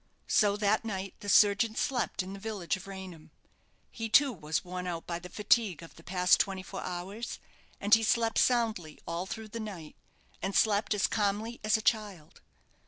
So that night the surgeon slept in the village of Raynham. He, too, was worn out by the fatigue of the past twenty four hours, and he slept soundly all through the night, and slept as calmly as a child.